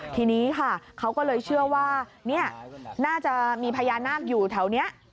ทีนี้ค่ะเขาก็เลยเชื่อว่าน่าจะมีพญานาคอยู่แถวนี้